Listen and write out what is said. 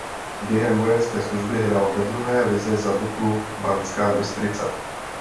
Během vojenské služby hrál ve druhé lize za Duklu Banská Bystrica.